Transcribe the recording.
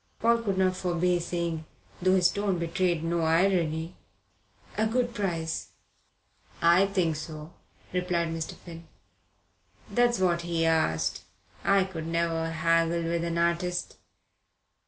Paul could not forbear saying, though his tone betrayed no irony: "A good price." "I think so," replied Mr. Finn. "That's what he asked. I could never haggle with an artist.